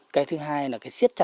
cái thứ hai là cái giá nó cao hơn